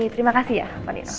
terima kasih ya pak niko